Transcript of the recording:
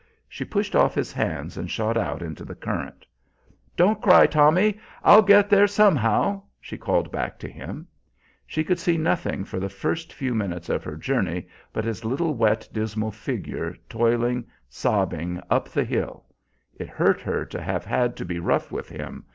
She pushed off his hands and shot out into the current. "Don't cry, Tommy, I'll get there somehow," she called back to him. She could see nothing for the first few minutes of her journey but his little wet, dismal figure toiling, sobbing, up the hill. It hurt her to have had to be rough with him.